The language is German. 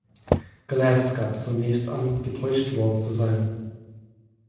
Glass gab zunächst an, getäuscht worden zu sein.